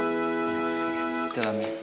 gitu lah mi